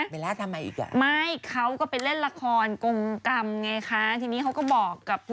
เราเลยอยากเล่าตั้งแต่เริ่มต้นไปเรื่อย